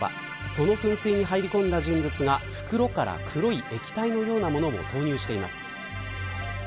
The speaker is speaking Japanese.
その噴水に入り込んだ人物が袋から黒い液体のようなものを投入しています。